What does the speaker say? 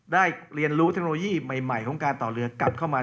ได้เรียนรู้เทคโนโลยีใหม่ของการต่อเรือกลับเข้ามา